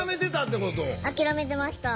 諦めてました。